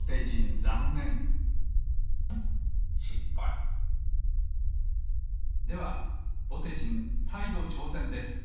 ざんねんではぼてじんさいどちょうせんです！